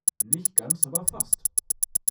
Nicht ganz, aber fast.